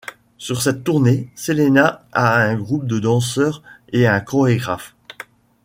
Sur cette tournée, Selena a un groupe de danseurs et un chorégraphe.